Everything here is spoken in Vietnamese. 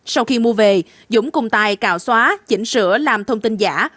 sau khi mua về dũng cùng tài cào xóa chỉnh sửa làm thông tin giả